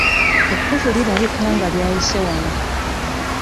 Ekkovu lirabika nga lyayise wano.